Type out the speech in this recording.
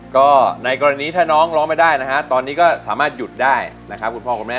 ก็ในกรณีถ้าน้องร้องไม่ได้นะฮะตอนนี้ก็สามารถหยุดได้นะครับคุณพ่อคุณแม่